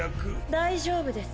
大丈夫です